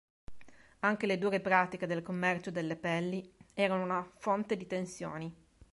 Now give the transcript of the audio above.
Anche le dure pratiche del commercio delle pelli erano una fonte di tensioni.